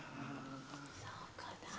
そうかなぁ。